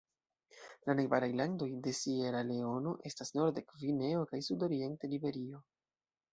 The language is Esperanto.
La najbaraj landoj de Sieraleono estas norde Gvineo kaj sudoriente Liberio.